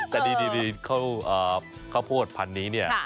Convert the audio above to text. แต่ดีข้อโพชพรรณนี้เนี่ย